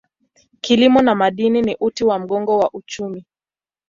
Kilimo na madini ni uti wa mgongo wa uchumi.